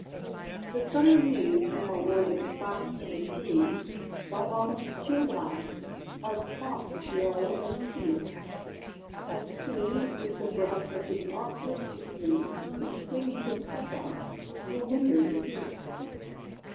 The Summer leaves now whirling fast from the trees, By Autumn's chill blast are tossed yellow and sere; And soon, with the breath of his nostrils to freeze Each thing he can puff at, will Winter be here!